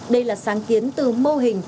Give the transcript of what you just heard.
đây là sáng kiến từ mô hình